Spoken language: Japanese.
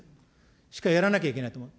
しっかりやらなきゃいけないと思う。